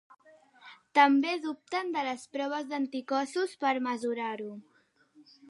També dubten de les proves d'anticossos per mesurar-ho.